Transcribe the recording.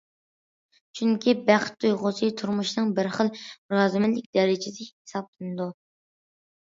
چۈنكى، بەخت تۇيغۇسى تۇرمۇشنىڭ بىر خىل رازىمەنلىك دەرىجىسى ھېسابلىنىدۇ.